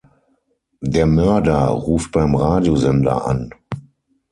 Der Mörder ruft beim Radiosender an.